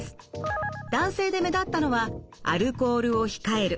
男性で目立ったのはアルコールを控える。